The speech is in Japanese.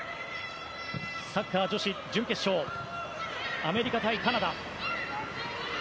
サッカー女子準決勝アメリカ対